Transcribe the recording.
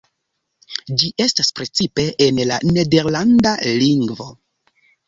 Ĝi estas precipe en la nederlanda lingvo.